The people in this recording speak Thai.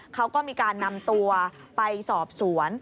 เขาก็มีการนำตัวไปสอบสวน